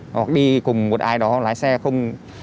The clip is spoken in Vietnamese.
hoặc đi cùng một ai đó lái xe không